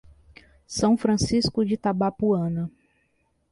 São Francisco de Itabapoana